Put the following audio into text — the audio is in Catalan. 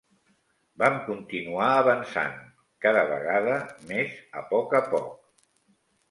Vam continuar avançant, cada vegada més a poc a poc